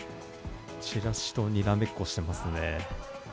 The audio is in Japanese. チラシとにらめっこしてますね。